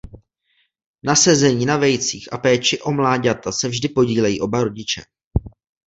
Na sezení na vejcích a péči o mláďata se vždy podílejí oba rodiče.